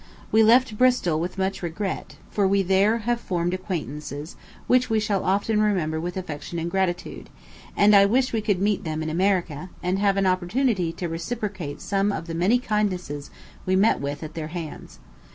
We left Bristol with much regret, for we there have formed acquaintances which we shall often remember with affection and gratitude; and I wish we could meet them in America, and have an opportunity to reciprocate some of the many kindnesses we met with at their hands.